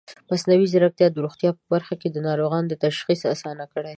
مصنوعي ځیرکتیا د روغتیا په برخه کې د ناروغانو تشخیص اسانه کړی دی.